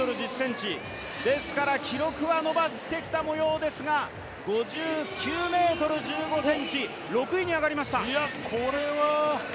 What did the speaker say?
ですから記録は伸ばしてきた模様ですが５９ｍ１５ｃｍ６位に上がりました。